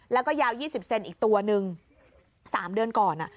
แล้วก็ยาวยี่สิบเซนอีกตัวหนึ่งสามเดือนก่อนอ่ะ